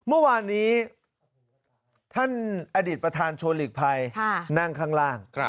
เมื่อวานนี้ท่านอดีตประธานชวนหลีกภัยนั่งข้างล่าง